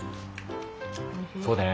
そうだよね。